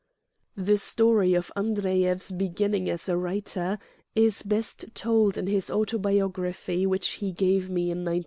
The story of Andreyev's beginning as a writer is best told in his autobiography which he gave me in 1908.